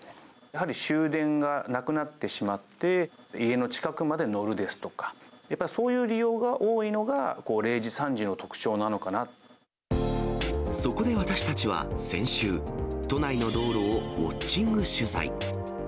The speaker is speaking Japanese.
やはり終電がなくなってしまって、家の近くまで乗るですとか、やっぱりそういう利用が多いのが、そこで私たちは先週、都内の道路をウォッチング取材。